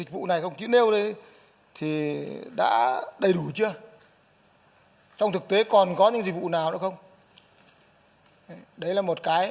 viện pháp bảo hiểm